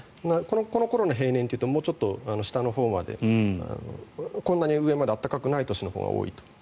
この頃の平年というともうちょっと下のほうまでこんなに上まで暖かくない年のほうが多いという。